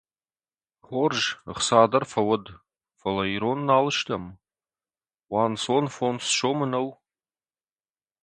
Хорз, ӕхца дӕр фӕуӕд, фӕлӕ ирон нал стӕм? Уанцон фондз сомы нӕу!